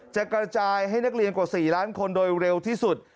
จะกระจายให้นักเรียนกว่า๔ล้านคนโดยเร็วที่สุด